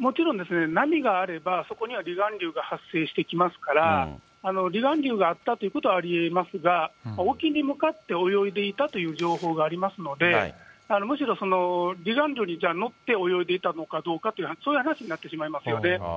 もちろんですね、波があれば、そこには離岸流が発生してきますから、離岸流があったということはありえますが、沖に向かって泳いでいたという情報がありますので、むしろ離岸流に乗って泳いでいたのかどうかという、そういう話になってしまいますよね。